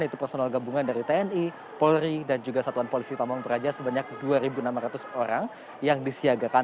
yaitu personal gabungan dari tni polri dan juga satuan polisi pamung peraja sebanyak dua enam ratus orang yang disiagakan